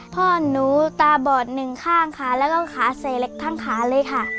พ่อหนูตาบอดหนึ่งข้างค่ะแล้วก็ขาเสกทั้งขาเลยค่ะ